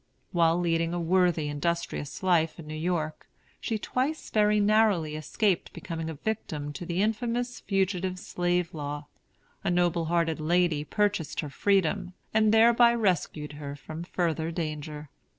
While leading a worthy, industrious life in New York, she twice very narrowly escaped becoming a victim to the infamous Fugitive Slave Law. A noble hearted lady purchased her freedom, and thereby rescued her from further danger.